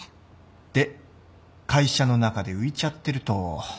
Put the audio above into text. で会社の中で浮いちゃってると。